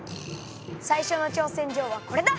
最初の挑戦状はこれだ！